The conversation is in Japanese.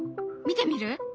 見てみる？